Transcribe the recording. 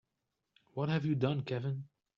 What have you done Kevin?